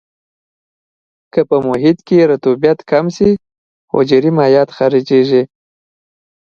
که په محیط کې رطوبت کم شي حجرې مایعات خارجيږي.